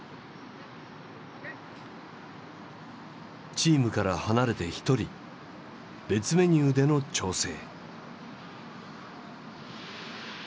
チームから離れて一人別メニューでの調整。